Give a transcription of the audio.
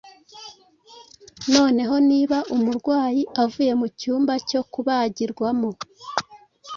noneho niba umurwayi avuye mu cyumba cyo kubagirwamo